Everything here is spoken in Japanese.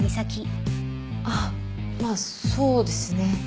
あぁまあそうですね。